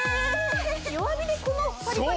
弱火でこのパリパリ？